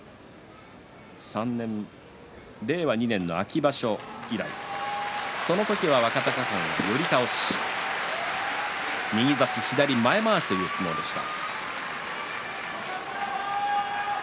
令和２年の秋場所以来その時は若隆景、寄り倒し右差し左前まわしという相撲でした。